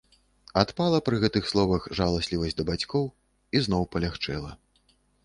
Адпала пры гэтых словах жаласлівасць да бацькоў і зноў палягчэла.